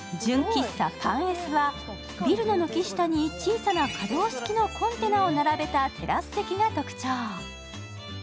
゛喫茶パンエスはビルの軒下に小さな可動式のコンテナを並べたテラス席が特徴。